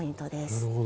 なるほど。